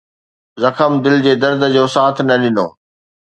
زخم دل جي درد جو ساٿ نه ڏنو